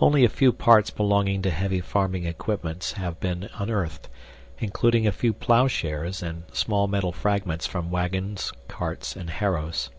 Only a few parts belonging to heavy farming implements have been unearthed, including a few ploughshares and small metal fragments from wagons, carts, and harrows.